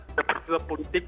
ada peristiwa politik